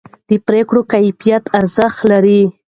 د پرېکړو کیفیت ارزښت لري